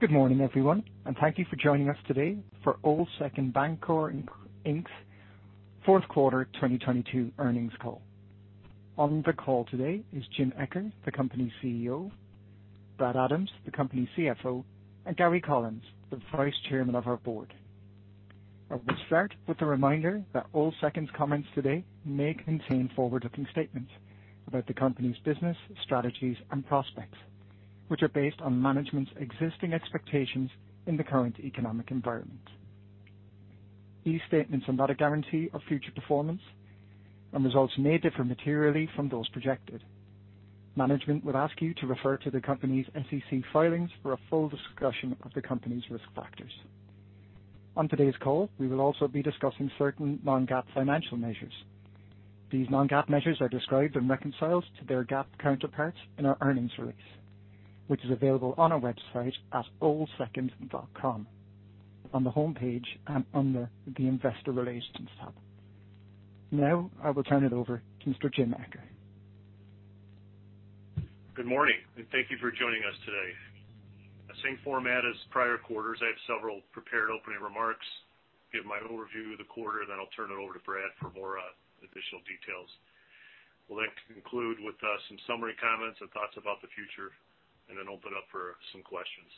Good morning, Everyone, thank you for joining us today for Old Second Bancorp, Inc.'s Fourth Quarter 2022 Earnings Call. On the call today is Jim Eccher, the company's CEO, Brad Adams, the company's CFO, and Gary Collins, the Vice Chairman of our board. I will start with a reminder that Old Second's comments today may contain forward-looking statements about the company's business, strategies, and prospects, which are based on management's existing expectations in the current economic environment. These statements are not a guarantee of future performance and results may differ materially from those projected. Management would ask you to refer to the company's SEC filings for a full discussion of the company's risk factors. On today's call, we will also be discussing certain non-GAAP financial measures. These non-GAAP measures are described and reconciled to their GAAP counterparts in our earnings release, which is available on our website at oldsecond.com on the homepage and under the Investor Relations tab. Now, I will turn it over to Mr. Jim Eccher. Good morning, thank you for joining us today. The same format as prior quarters. I have several prepared opening remarks, give my overview of the quarter, then I'll turn it over to Brad for more additional details. We'll then conclude with some summary comments and thoughts about the future, and then open up for some questions.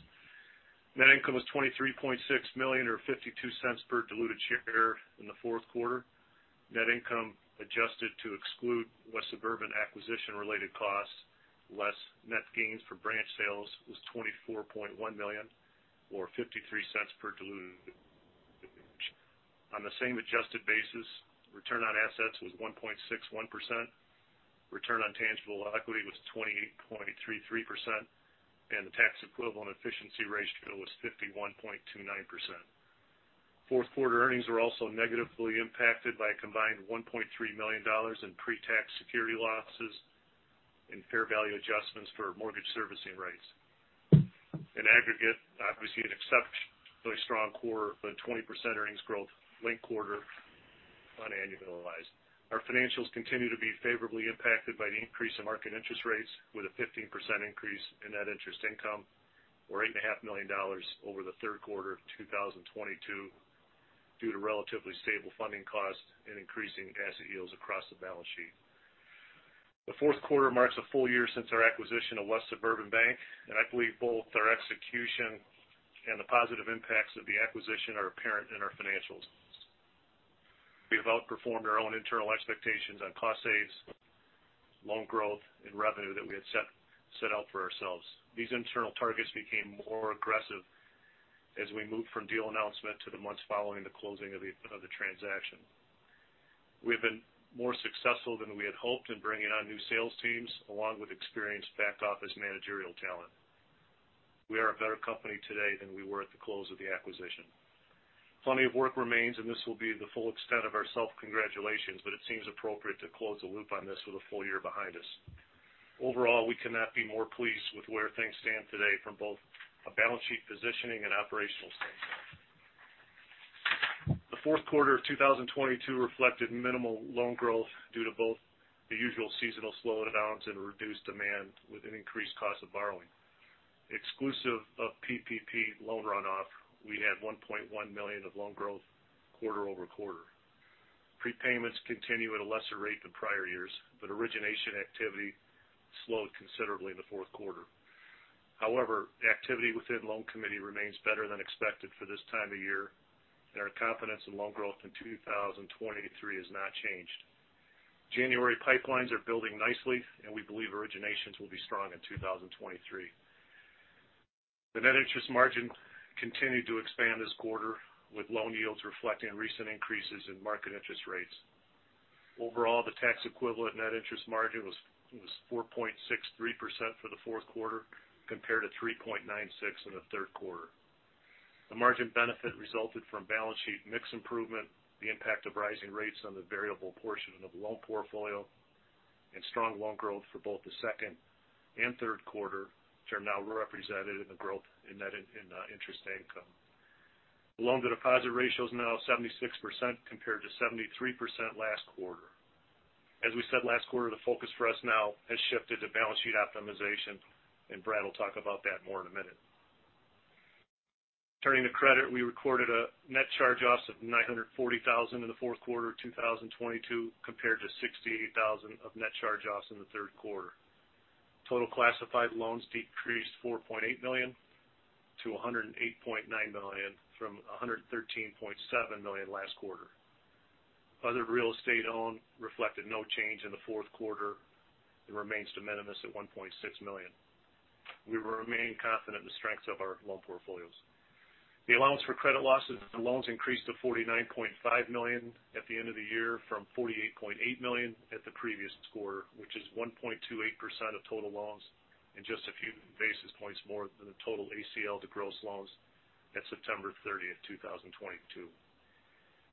Net income was $23.6 million or $0.52 per diluted share in the fourth quarter. Net income adjusted to exclude West Suburban acquisition-related costs, less net gains for branch sales was $24.1 million or $0.53 per diluted share. On the same adjusted basis, return on assets was 1.61%. Return on tangible equity was 28.33%, and the tax equivalent efficiency ratio was 51.29%. Fourth quarter earnings were also negatively impacted by a combined $1.3 million in pre-tax security losses and fair value adjustments for mortgage servicing rights. In aggregate, obviously an exceptionally strong quarter with a 20% earnings growth linked quarter on annualized. Our financials continue to be favorably impacted by the increase in market interest rates with a 15% increase in net interest income or $8.5 million over the third quarter of 2022 due to relatively stable funding costs and increasing asset yields across the balance sheet. The fourth quarter marks a full year since our acquisition of West Suburban Bank. I believe both our execution and the positive impacts of the acquisition are apparent in our financials. We have outperformed our own internal expectations on cost saves, loan growth, and revenue that we had set out for ourselves. These internal targets became more aggressive as we moved from deal announcement to the months following the closing of the transaction. We've been more successful than we had hoped in bringing on new sales teams along with experienced back office managerial talent. We are a better company today than we were at the close of the acquisition. Plenty of work remains. This will be the full extent of our self-congratulations, but it seems appropriate to close the loop on this with a full year behind us. Overall, we cannot be more pleased with where things stand today from both a balance sheet positioning and operational standpoint. The fourth quarter of 2022 reflected minimal loan growth due to both the usual seasonal slowdowns and reduced demand with an increased cost of borrowing. Exclusive of PPP loan runoff, we had $1.1 million of loan growth quarter-over-quarter. Prepayments continue at a lesser rate than prior years, origination activity slowed considerably in the fourth quarter. Activity within loan committee remains better than expected for this time of year, and our confidence in loan growth in 2023 has not changed. January pipelines are building nicely, we believe originations will be strong in 2023. The net interest margin continued to expand this quarter, with loan yields reflecting recent increases in market interest rates. Overall, the tax equivalent net interest margin was 4.63% for the fourth quarter compared to 3.96% in the third quarter. The margin benefit resulted from balance sheet mix improvement, the impact of rising rates on the variable portion of the loan portfolio, and strong loan growth for both the second and third quarter, which are now represented in the growth in net interest income. The loan-to-deposit ratio is now 76% compared to 73% last quarter. As we said last quarter, the focus for us now has shifted to balance sheet optimization. Brad will talk about that more in a minute. Turning to credit, we recorded a net charge-offs of $940,000 in the fourth quarter of 2022 compared to $68,000 of net charge-offs in the third quarter. Total classified loans decreased $4.8 million to $108.9 million from $113.7 million last quarter. Other real estate owned reflected no change in the fourth quarter and remains de minimis at $1.6 million. We remain confident in the strengths of our loan portfolios. The allowance for credit losses on loans increased to $49.5 million at the end of the year from $48.8 million at the previous quarter, which is 1.28% of total loans and just a few basis points more than the total ACL to gross loans at September 30, 2022.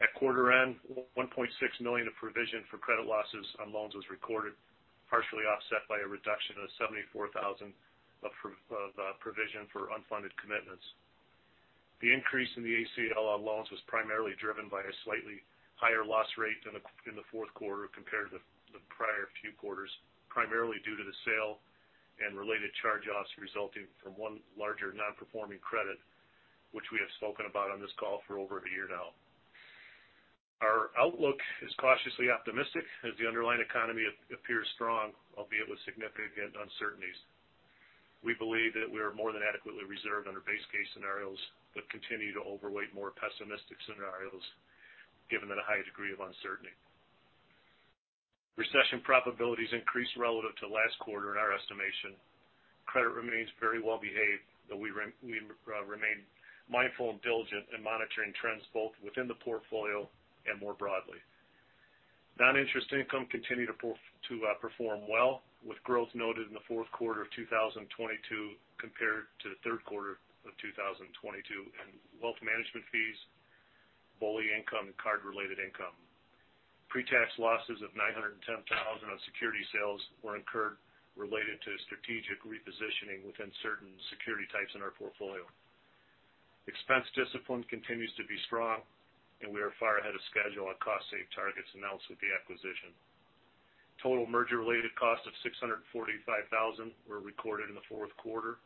At quarter end, $1.6 million of provision for credit losses on loans was recorded, partially offset by a reduction of $74,000 of provision for unfunded commitments. The increase in the ACL on loans was primarily driven by a slightly higher loss rate in the fourth quarter compared to the prior few quarters, primarily due to the sale and related charge-offs resulting from one larger non-performing credit, which we have spoken about on this call for over a year now. Our outlook is cautiously optimistic as the underlying economy appears strong, albeit with significant uncertainties. We believe that we are more than adequately reserved under base case scenarios, but continue to overweight more pessimistic scenarios given the high degree of uncertainty. Recession probabilities increased relative to last quarter in our estimation. Credit remains very well behaved. We remain mindful and diligent in monitoring trends both within the portfolio and more broadly. Non-interest income continued to perform well, with growth noted in the fourth quarter of 2022 compared to the third quarter of 2022 in wealth management fees, BOLI income, and card-related income. Pre-tax losses of $910,000 on security sales were incurred related to strategic repositioning within certain security types in our portfolio. Expense discipline continues to be strong, and we are far ahead of schedule on cost save targets announced with the acquisition. Total merger-related costs of $645,000 were recorded in the fourth quarter.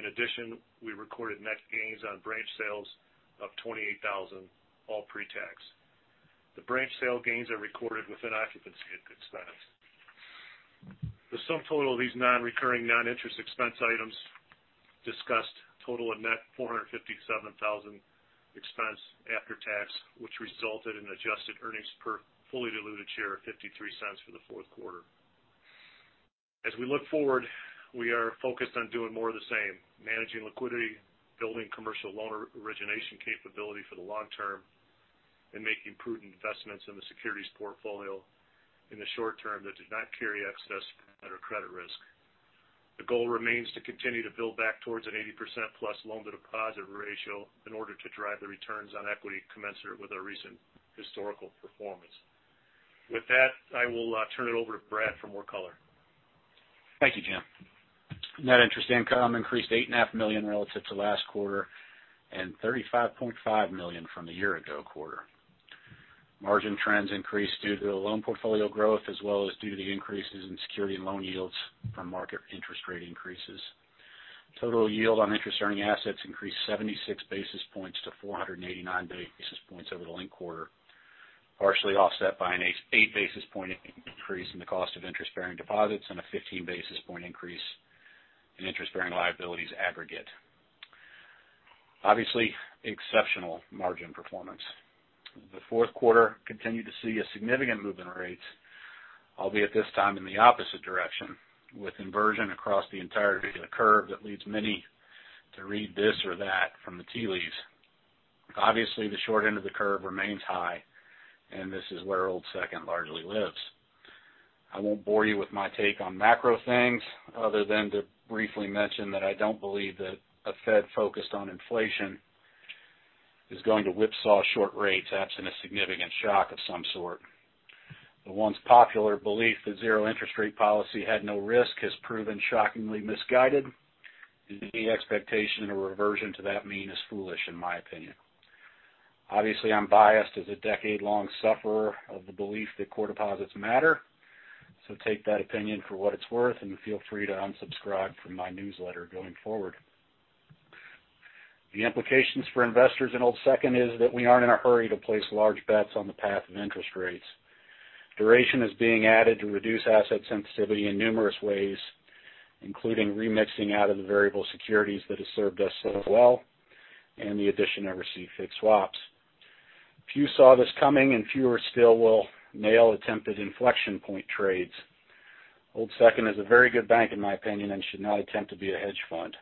We recorded net gains on branch sales of $28,000, all pre-tax. The branch sale gains are recorded within occupancy and good expense. The sum total of these non-recurring, non-interest expense items discussed total a net $457,000 expense after tax, which resulted in adjusted earnings per fully diluted share of $0.53 for the fourth quarter. As we look forward, we are focused on doing more of the same, managing liquidity, building commercial loan origination capability for the long term, and making prudent investments in the securities portfolio in the short term that did not carry excess credit risk. The goal remains to continue to build back towards an 80%+ loan-to-deposit ratio in order to drive the returns on equity commensurate with our recent historical performance. With that, I will turn it over to Brad for more color. Thank you, Jim. Net interest income increased $8.5 million relative to last quarter and $35.5 million from a year ago quarter. Margin trends increased due to the loan portfolio growth as well as due to the increases in security and loan yields from market interest rate increases. Total yield on interest earning assets increased 76 basis points to 489 basis points over the linked quarter, partially offset by an eight basis point increase in the cost of interest-bearing deposits and a 15 basis point increase in interest-bearing liabilities aggregate. Obviously, exceptional margin performance. The fourth quarter continued to see a significant movement in rates, albeit this time in the opposite direction, with inversion across the entirety of the curve that leads many to read this or that from the tea leaves. Obviously, the short end of the curve remains high, and this is where Old Second largely lives. I won't bore you with my take on macro things other than to briefly mention that I don't believe that a Fed focused on inflation is going to whipsaw short rates absent a significant shock of some sort. The once popular belief that zero interest rate policy had no risk has proven shockingly misguided, and any expectation or reversion to that mean is foolish in my opinion. Obviously, I'm biased as a decade-long sufferer of the belief that core deposits matter. Take that opinion for what it's worth and feel free to unsubscribe from my newsletter going forward. The implications for investors in Old Second is that we aren't in a hurry to place large bets on the path of interest rates. Duration is being added to reduce asset sensitivity in numerous ways, including remixing out of the variable securities that has served us so well and the addition of receive fixed swaps. Few saw this coming and fewer still will nail attempted inflection point trades. Old Second is a very good bank in my opinion and should not attempt to be a hedge fund.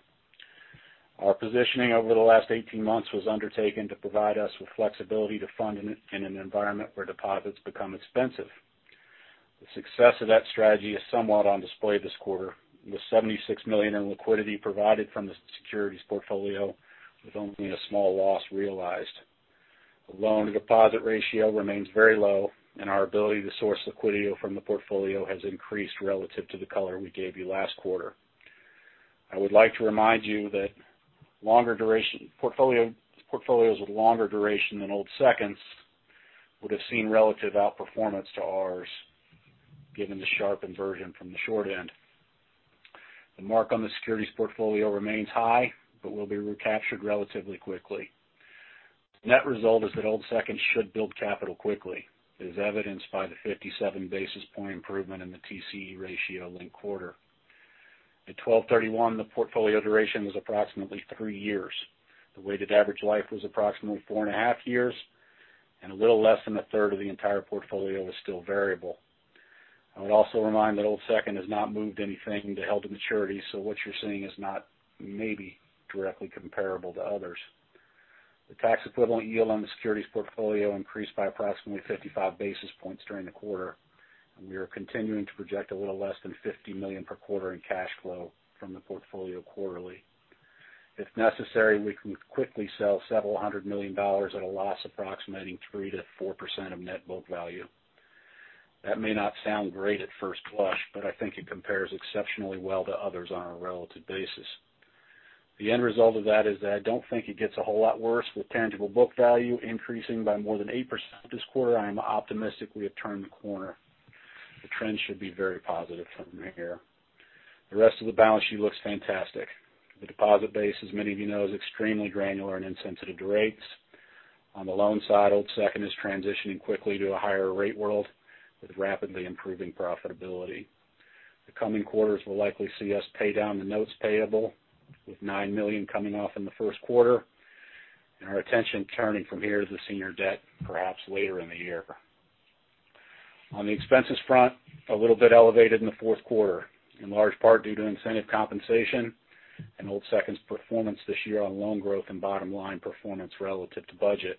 Our positioning over the last 18 months was undertaken to provide us with flexibility to fund in an environment where deposits become expensive. The success of that strategy is somewhat on display this quarter, with $76 million in liquidity provided from the securities portfolio with only a small loss realized. The loan-to-deposit ratio remains very low and our ability to source liquidity from the portfolio has increased relative to the color we gave you last quarter. I would like to remind you that portfolios with longer duration than Old Second's would have seen relative outperformance to ours, given the sharp inversion from the short end. The mark on the securities portfolio remains high, will be recaptured relatively quickly. Net result is that Old Second should build capital quickly, as evidenced by the 57 basis point improvement in the TCE ratio linked quarter. At 12/31, the portfolio duration was approximately three years. The weighted average life was approximately four and a half years, a little less than a third of the entire portfolio was still variable. I would also remind that Old Second has not moved anything to held-to-maturity, what you're seeing is not maybe directly comparable to others. The tax equivalent yield on the securities portfolio increased by approximately 55 basis points during the quarter. We are continuing to project a little less than $50 million per quarter in cash flow from the portfolio quarterly. If necessary, we can quickly sell several hundred million dollars at a loss approximating 3%-4% of net book value. That may not sound great at first blush. I think it compares exceptionally well to others on a relative basis. The end result of that is that I don't think it gets a whole lot worse with tangible book value increasing by more than 8% this quarter. I'm optimistic we have turned the corner. The trend should be very positive from here. The rest of the balance sheet looks fantastic. The deposit base, as many of you know, is extremely granular and insensitive to rates. On the loan side, Old Second is transitioning quickly to a higher rate world with rapidly improving profitability. The coming quarters will likely see us pay down the notes payable with $9 million coming off in the first quarter, and our attention turning from here to the senior debt, perhaps later in the year. On the expenses front, a little bit elevated in the fourth quarter, in large part due to incentive compensation and Old Second's performance this year on loan growth and bottom line performance relative to budget.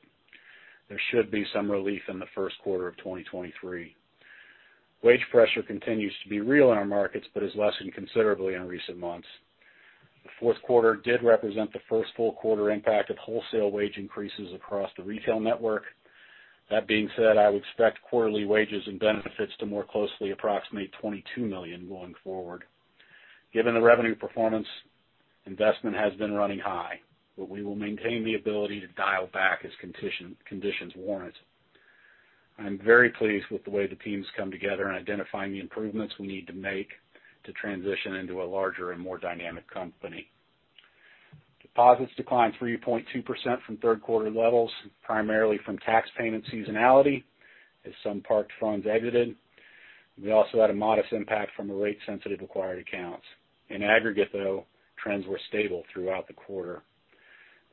There should be some relief in the first quarter of 2023. Wage pressure continues to be real in our markets, but has lessened considerably in recent months. The fourth quarter did represent the first full quarter impact of wholesale wage increases across the retail network. That being said, I would expect quarterly wages and benefits to more closely approximate $22 million going forward. Given the revenue performance, investment has been running high, we will maintain the ability to dial back as conditions warrant. I'm very pleased with the way the team's come together in identifying the improvements we need to make to transition into a larger and more dynamic company. Deposits declined 3.2% from third quarter levels, primarily from tax payment seasonality as some parked funds exited. We also had a modest impact from the rate-sensitive acquired accounts. In aggregate, though, trends were stable throughout the quarter.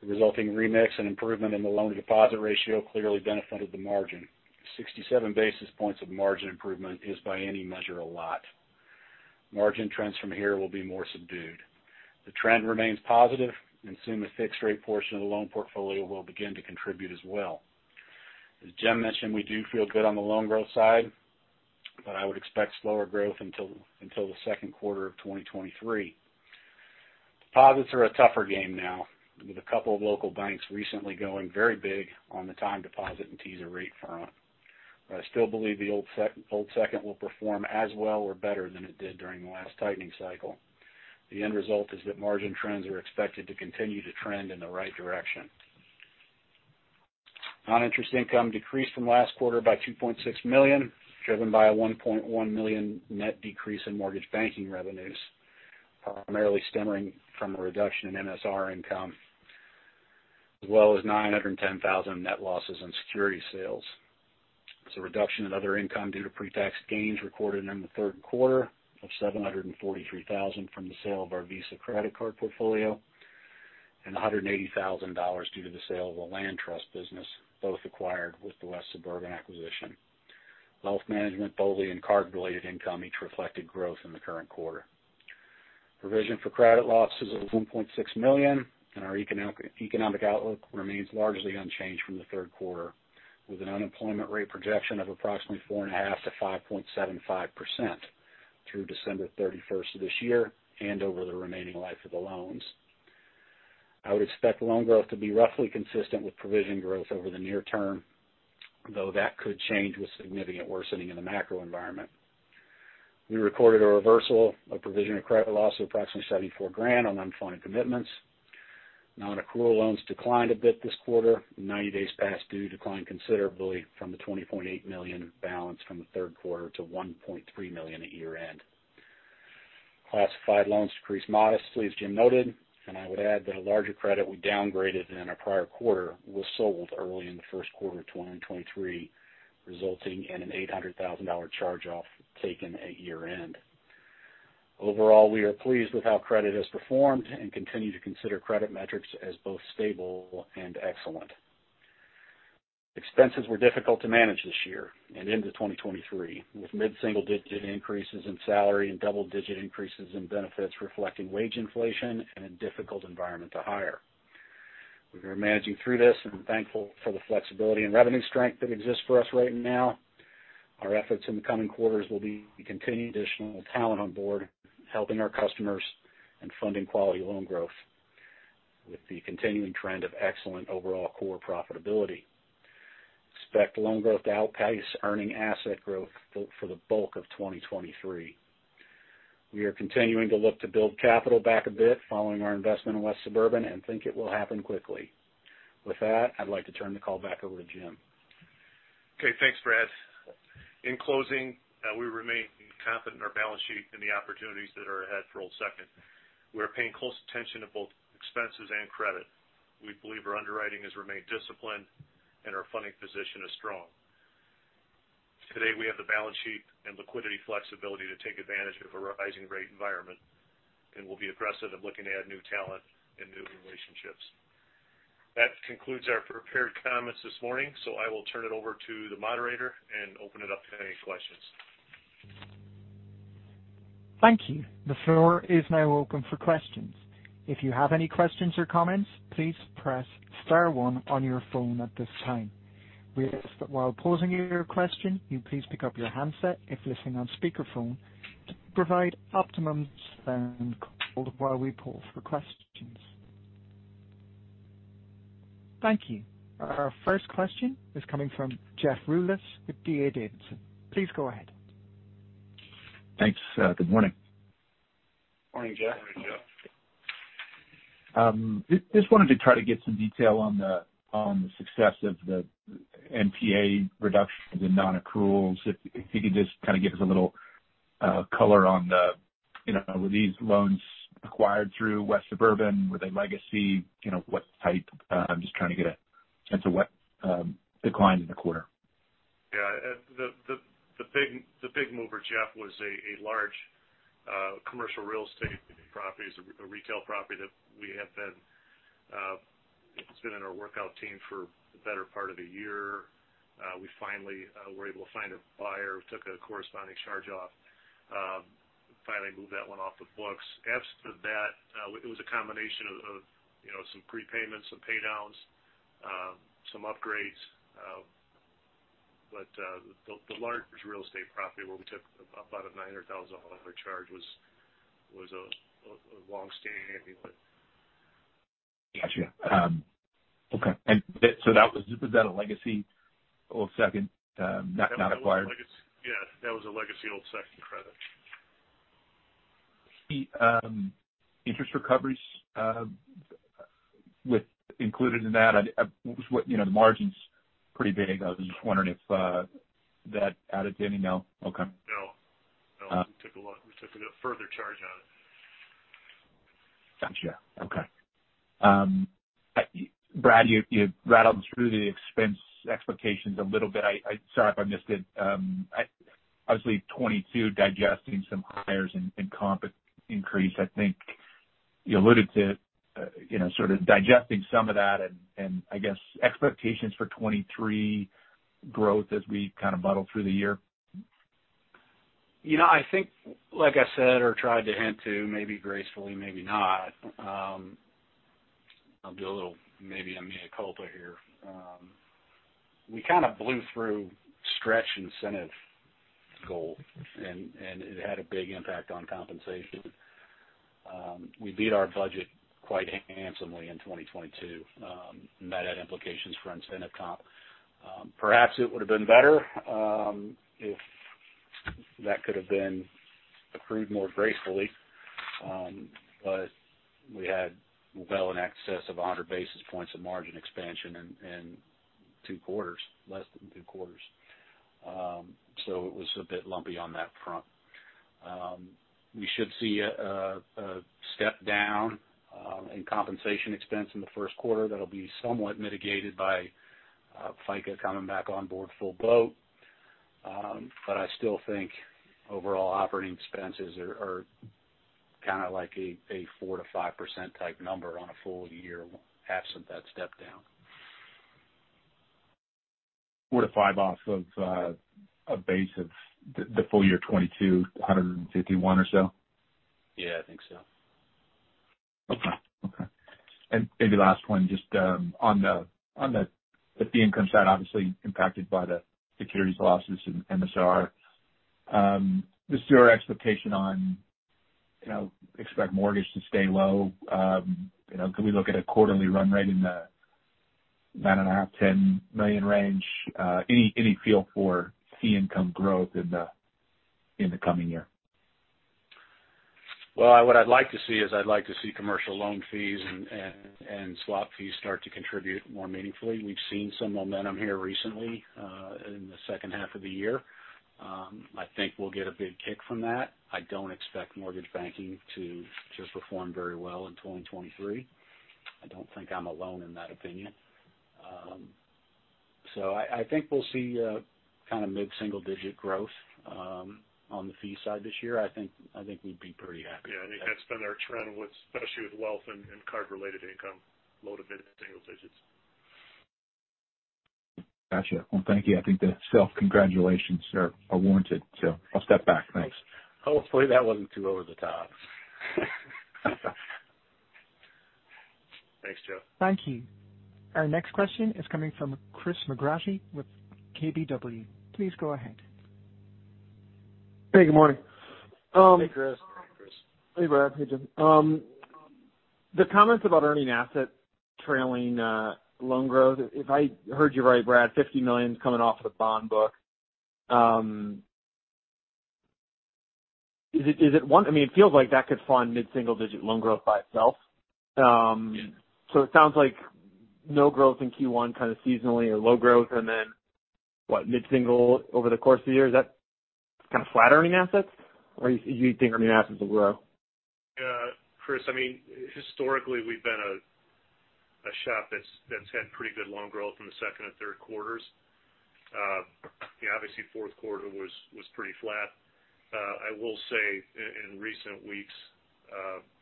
The resulting remix and improvement in the loan-to-deposit ratio clearly benefited the margin. 67 basis points of margin improvement is, by any measure, a lot. Margin trends from here will be more subdued. The trend remains positive and soon the fixed rate portion of the loan portfolio will begin to contribute as well. As Jim mentioned, we do feel good on the loan growth side, but I would expect slower growth until the second quarter of 2023. Deposits are a tougher game now, with a couple of local banks recently going very big on the time deposit and teaser rate front. I still believe Old Second will perform as well or better than it did during the last tightening cycle. The end result is that margin trends are expected to continue to trend in the right direction. Non-interest income decreased from last quarter by $2.6 million, driven by a $1.1 million net decrease in mortgage banking revenues, primarily stemming from a reduction in MSR income, as well as $910,000 net losses in security sales. There's a reduction in other income due to pre-tax gains recorded in the third quarter of $743,000 from the sale of our Visa credit card portfolio and $180,000 due to the sale of a land trust business, both acquired with the West Suburban acquisition. Wealth management, BOLI, and card-related income each reflected growth in the current quarter. Provision for Credit Losses of $1.6 million and our economic outlook remains largely unchanged from the third quarter, with an unemployment rate projection of approximately 4.5%-5.75% through December 31st of this year and over the remaining life of the loans. I would expect loan growth to be roughly consistent with provision growth over the near term, though that could change with significant worsening in the macro environment. We recorded a reversal of Provision of Credit Loss of approximately $74,000 on unfunded commitments. non-accrual loans declined a bit this quarter. 90 days past due declined considerably from the $20.8 million balance from the third quarter to $1.3 million at year-end. Classified loans decreased modestly, as Jim noted, and I would add that a larger credit we downgraded in a prior quarter was sold early in the first quarter of 2023, resulting in an $800,000 charge-off taken at year-end. Overall, we are pleased with how credit has performed and continue to consider credit metrics as both stable and excellent. Expenses were difficult to manage this year and into 2023, with mid-single-digit increases in salary and double-digit increases in benefits reflecting wage inflation and a difficult environment to hire. We are managing through this and thankful for the flexibility and revenue strength that exists for us right now. Our efforts in the coming quarters will be to continue additional talent on board, helping our customers in funding quality loan growth with the continuing trend of excellent overall core profitability. Expect loan growth to outpace earning asset growth for the bulk of 2023. We are continuing to look to build capital back a bit following our investment in West Suburban and think it will happen quickly. With that, I'd like to turn the call back over to Jim. Okay, thanks, Brad. In closing, we remain confident in our balance sheet and the opportunities that are ahead for Old Second. We are paying close attention to both expenses and credit. We believe our underwriting has remained disciplined and our funding position is strong. Today, we have the balance sheet and liquidity flexibility to take advantage of a rising rate environment, and we'll be aggressive in looking to add new talent and new relationships. That concludes our prepared comments this morning, I will turn it over to the moderator and open it up to any questions. Thank you. The floor is now open for questions. If you have any questions or comments, please press star one on your phone at this time. We ask that while posing your question, you please pick up your handset if listening on speakerphone to provide optimum sound quality while we poll for questions. Thank you. Our first question is coming from Jeff Rulis with D.A. Davidson. Please go ahead. Thanks. Good morning. Morning, Jeff. Morning, Jeff. Just wanted to try to get some detail on the success of the NPA reduction, the non-accruals. If you could just kind of give us a little color on the, you know, were these loans acquired through West Suburban? Were they legacy? You know, what type? I'm just trying to get a sense of what declined in the quarter. The big mover, Jeff, was a large commercial real estate property. It's a retail property that we have been, it's been in our workout team for the better part of the year. We finally were able to find a buyer, took a corresponding charge off, finally moved that one off the books. Absent that, it was a combination of, you know, some prepayments, some pay downs, some upgrades. The large real estate property where we took about a $900,000 charge was a long-standing one. Gotcha. okay. that was that a legacy Old Second, not acquired? That was a legacy. Yeah, that was a legacy Old Second credit. The interest recoveries, with included in that. You know, the margin's pretty big. I was just wondering if that added to any. No? Okay. No. No. Uh- We took a further charge on it. Gotcha. Okay. I, Brad, you rattled through the expense expectations a little bit. Sorry if I missed it. I obviously 2022 digesting some hires and comp increase. I think you alluded to, you know, sort of digesting some of that and I guess expectations for 2023 growth as we kind of muddle through the year. You know, I think, like I said or tried to hint to maybe gracefully, maybe not, I'll do a little maybe a mea culpa here. We kind of blew through stretch incentive goals and it had a big impact on compensation. We beat our budget quite handsomely in 2022, and that had implications for incentive comp. Perhaps it would have been better, if that could have been accrued more gracefully. We had well in excess of 100 basis points of margin expansion in two quarters, less than two quarters. It was a bit lumpy on that front. We should see a step down, in compensation expense in the first quarter that'll be somewhat mitigated by FICA coming back on board full boat. I still think overall operating expenses are kind of like a 4%-5% type number on a full year absent that step down. four to five off of, a base of the full year 2022, 151 or so? Yeah, I think so. Okay. Okay. Maybe last one, just on the fee income side, obviously impacted by the securities losses in MSR. Just to your expectation on, you know, expect mortgage to stay low. You know, can we look at a quarterly run rate in the $9.5 million-$10 million range? Any feel for fee income growth in the coming year? Well, what I'd like to see is I'd like to see commercial loan fees and swap fees start to contribute more meaningfully. We've seen some momentum here recently in the second half of the year. I think we'll get a big kick from that. I don't expect mortgage banking to perform very well in 2023. I don't think I'm alone in that opinion. I think we'll see kind of mid-single digit growth on the fee side this year. I think we'd be pretty happy with that. Yeah. I think that's been our trend with, especially with wealth and card related income, low to mid-single digits. Gotcha. Well, thank you. I think the self-congratulations are warranted, so I'll step back. Thanks. Hopefully that wasn't too over the top. Thanks, Jeff. Thank you. Our next question is coming from Chris McGratty with KBW. Please go ahead. Hey, good morning. Hey, Chris. Hey, Chris. Hey, Brad. Hey, Jim. The comments about earning asset trailing loan growth, if I heard you right, Brad, $50 million's coming off the bond book. I mean, it feels like that could fund mid-single digit loan growth by itself. It sounds like no growth in Q1 kind of seasonally or low growth and then, what? Mid-single over the course of the year. Is that kind of flat earning assets or you think earning assets will grow? Yeah. Chris, I mean, historically, we've been a shop that's had pretty good loan growth in the second and third quarters. You know, obviously fourth quarter was pretty flat. I will say in recent weeks,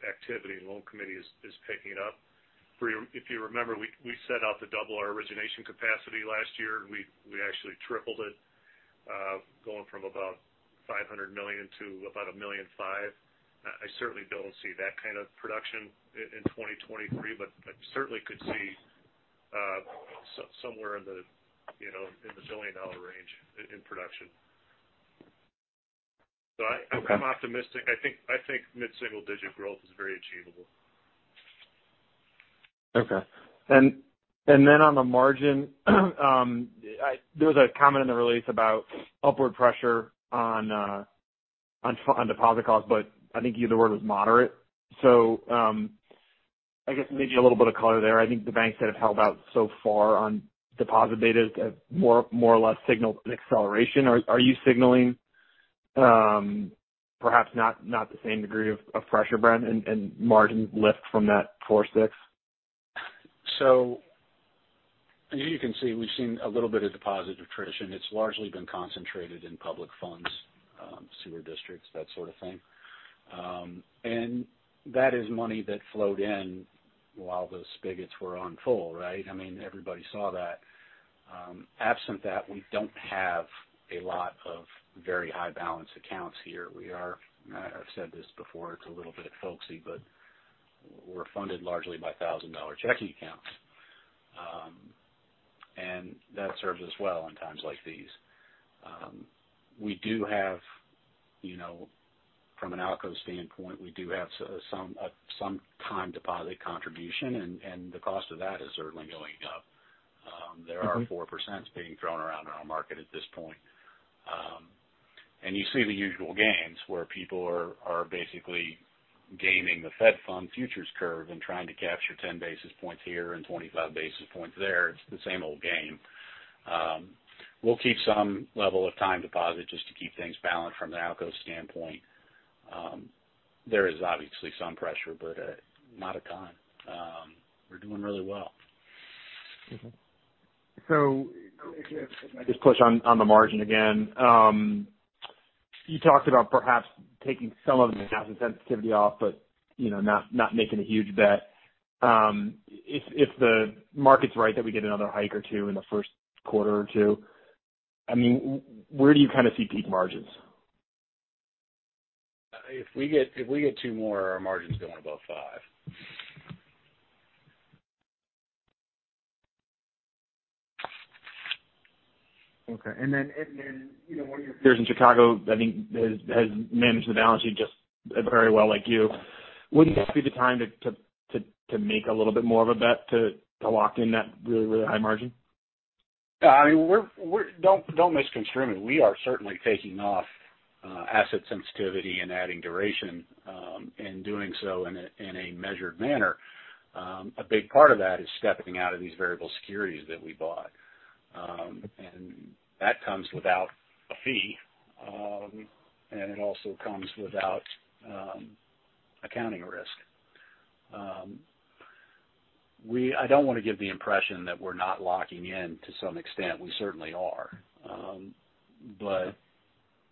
activity and loan committee is picking up. If you remember, we set out to double our origination capacity last year, and we actually tripled it, going from about $500 million to about $1.5 million. I certainly don't see that kind of production in 2023, but I certainly could see somewhere in the, you know, in the zillion dollar range in production. I'm optimistic. I think mid-single digit growth is very achievable. Okay. On the margin, there was a comment in the release about upward pressure on deposit costs, but I think the word was moderate. I guess maybe a little bit of color there. I think the banks that have held out so far on deposit betas have more or less signaled an acceleration. Are you signaling, perhaps not the same degree of pressure, Brad, and margin lift from that four-six? As you can see, we've seen a little bit of deposit attrition. It's largely been concentrated in public funds, sewer districts, that sort of thing. And that is money that flowed in while the spigots were on full, right? I mean, everybody saw that. Absent that, we don't have a lot of very high balance accounts here. I've said this before, it's a little bit folksy, but we're funded largely by 1,000 dollar checking accounts. And that serves us well in times like these. We do have, you know, from an ALCO standpoint, we do have some time deposit contribution, and the cost of that is certainly going up. There are 4% being thrown around in our market at this point. You see the usual games where people are basically gaming the Fed Funds Futures curve and trying to capture 10 basis points here and 25 basis points there. It's the same old game. We'll keep some level of time deposit just to keep things balanced from an ALCO standpoint. There is obviously some pressure, but not a ton. We're doing really well. If I just push on the margin again. You talked about perhaps taking some of the asset sensitivity off, but, you know, not making a huge bet. If the market's right that we get another hike or two in the first quarter or two, I mean, where do you kind of see peak margins? If we get two more, our margin's going above five. Okay. then, you know, one of your peers in Chicago, I think has managed the balance sheet just very well like you. Wouldn't this be the time to make a little bit more of a bet to lock in that really high margin? I mean, don't misconstrue me. We are certainly taking off asset sensitivity and adding duration, and doing so in a measured manner. A big part of that is stepping out of these variable securities that we bought. That comes without a fee, and it also comes without accounting risk. I don't wanna give the impression that we're not locking in to some extent. We certainly are.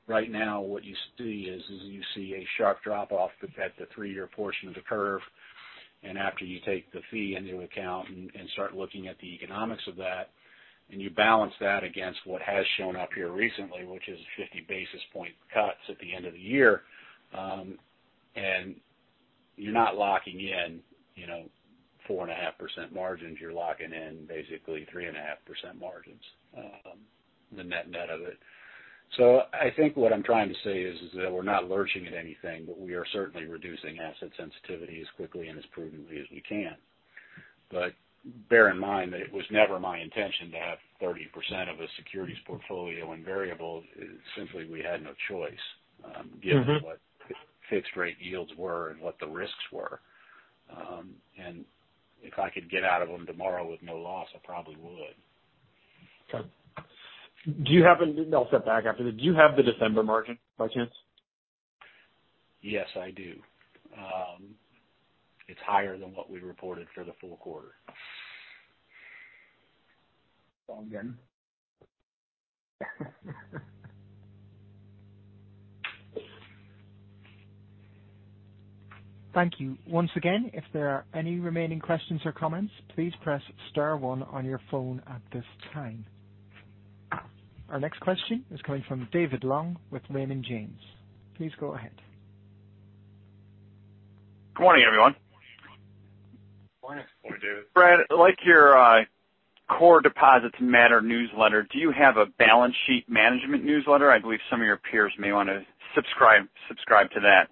Right now, what you see is you see a sharp drop off at the three-year portion of the curve. After you take the fee into account and start looking at the economics of that, and you balance that against what has shown up here recently, which is 50 basis point cuts at the end of the year, and you're not locking in, you know, 4.5% margins. You're locking in basically 3.5% margins, the net of it. I think what I'm trying to say is that we're not lurching at anything, but we are certainly reducing asset sensitivity as quickly and as prudently as we can. Bear in mind that it was never my intention to have 30% of a securities portfolio in variables. Simply, we had no choice. Mm-hmm What fixed rate yields were and what the risks were. If I could get out of them tomorrow with no loss, I probably would. Okay. I'll step back after this. Do you have the December margin by chance? Yes, I do. It's higher than what we reported for the full quarter. Well then. Thank you. Once again, if there are any remaining questions or comments, please press star one on your phone at this time. Our next question is coming from David Long with Raymond James. Please go ahead. Good morning, Everyone. Morning. Morning. Brad, I like your core deposits matter newsletter. Do you have a balance sheet management newsletter? I believe some of your peers may wanna subscribe to that.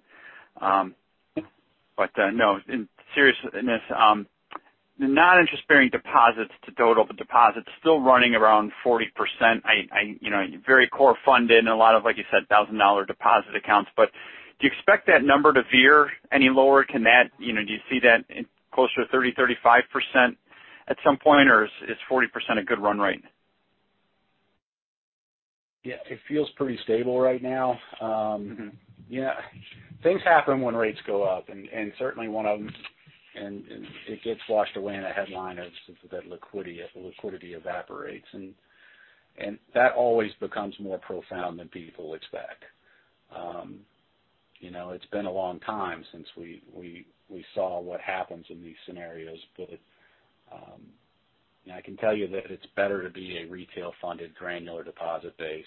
No, in seriousness, non-interest bearing deposits to total deposits still running around 40%. You know, very core funded and a lot of, like you said, $1,000 deposit accounts. Do you expect that number to veer any lower? Can that, you know, do you see that in closer to 30%-35% at some point, or is 40% a good run rate? Yeah. It feels pretty stable right now. Yeah, things happen when rates go up and certainly one of them, and it gets washed away in a headline, is that liquidity, as the liquidity evaporates. That always becomes more profound than people expect. You know, it's been a long time since we, we saw what happens in these scenarios. I can tell you that it's better to be a retail funded granular deposit base,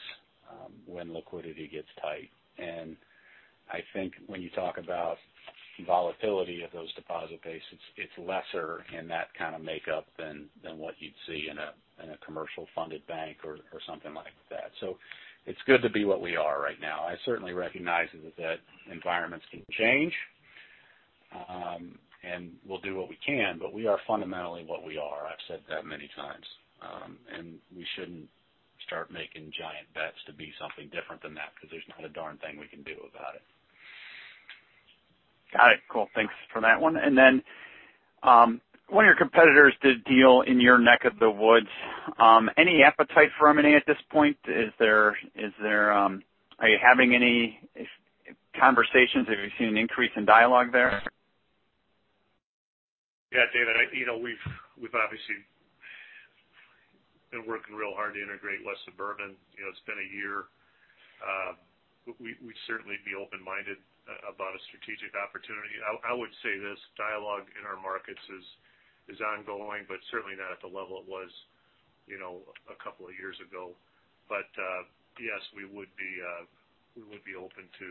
when liquidity gets tight. I think when you talk about volatility of those deposit bases, it's lesser in that kind of makeup than what you'd see in a, in a commercial funded bank or something like that. It's good to be what we are right now. I certainly recognize that environments can change, we'll do what we can, but we are fundamentally what we are. I've said that many times. We shouldn't start making giant bets to be something different than that because there's not a darn thing we can do about it. Got it. Cool. Thanks for that one. Then, one of your competitors did deal in your neck of the woods, any appetite for M&A at this point? Are you having any conversations? Have you seen an increase in dialogue there? Yeah, David, you know, we've obviously been working real hard to integrate West Suburban. You know, it's been a year. We'd certainly be open-minded about a strategic opportunity. I would say this dialogue in our markets is ongoing, but certainly not at the level it was, you know, a couple of years ago. Yes, we would be open to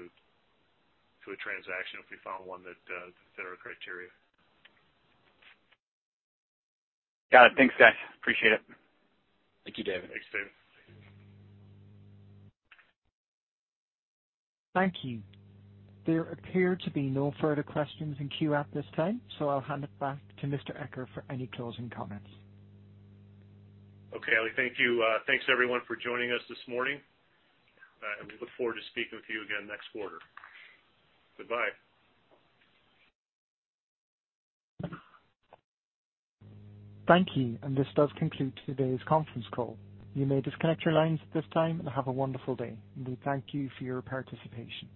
a transaction if we found one that fit our criteria. Got it. Thanks, guys. Appreciate it. Thank you, David. Thanks, David. Thank you. There appear to be no further questions in queue at this time. I'll hand it back to Mr. Eccher for any closing comments. Okay. Thank you. Thanks everyone for joining us this morning. We look forward to speaking with you again next quarter. Goodbye. Thank you. This does conclude today's conference call. You may disconnect your lines at this time and have a wonderful day. We thank you for your participation.